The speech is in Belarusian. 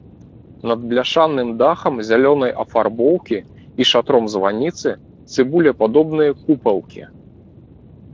Над бляшаным дахам зялёнай афарбоўкі і шатром званіцы цыбулепадобныя купалкі.